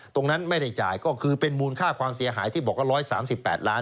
ตรงนั้นไม่ได้จ่ายก็คือเป็นมูลค่าความเสียหายที่บอกว่า๑๓๘ล้าน